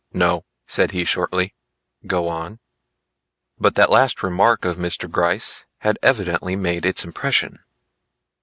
"No," said he shortly, "go on." But that last remark of Mr. Gryce had evidently made its impression.